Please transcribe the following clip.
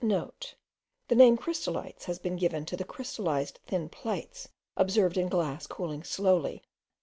*(* The name crystalites has been given to the crystalized thin plates observed in glass cooling slowly.